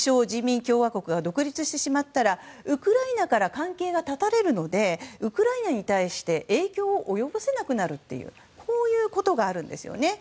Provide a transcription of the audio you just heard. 人民共和国が独立してしまったらウクライナから関係が断たれるのでウクライナに対して影響を及ぼせなくなるというこういうことがあるんです。